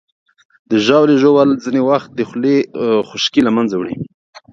د ژاولې ژوول ځینې وخت د خولې خشکي له منځه وړي.